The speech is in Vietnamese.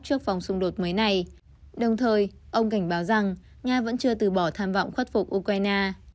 trước vòng xung đột mới này đồng thời ông cảnh báo rằng nga vẫn chưa từ bỏ tham vọng khuất phục ukraine